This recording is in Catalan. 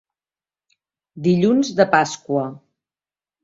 Dilluns de Pasqua.